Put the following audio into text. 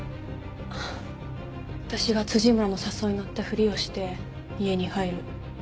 私が村の誘いにのったふりをして家に入る。